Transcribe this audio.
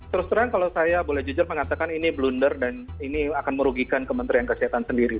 terus terang kalau saya boleh jujur mengatakan ini blunder dan ini akan merugikan kementerian kesehatan sendiri